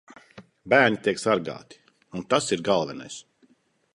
Bērni tiek sargāti. Un tas ir galvenais.